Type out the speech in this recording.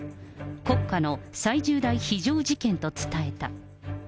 国家の最重大非常事件と伝えた。